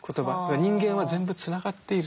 人間は全部繋がっていると。